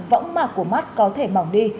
võng mạc của mắt có thể mỏng đi